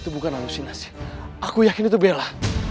itu bukan alusinasi aku yakin itu bela